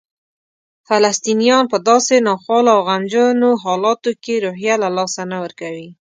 فلسطینیان په داسې ناخوالو او غمجنو حالاتو کې روحیه له لاسه نه ورکوي.